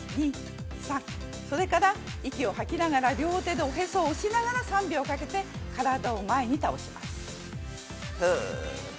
それから、息を吐きながら両手でおへそを押しながら３秒かけて、体を前に倒します。